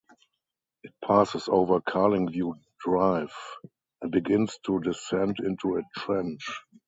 It passes over Carlingview Drive, and begins to descend into a trench.